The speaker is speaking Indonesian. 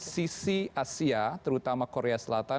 sisi asia terutama korea selatan